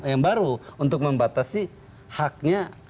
yang baru untuk membatasi haknya